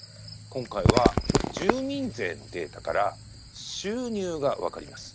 今回は住民税のデータから、収入が分かります。